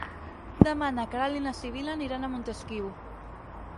Demà na Queralt i na Sibil·la aniran a Montesquiu.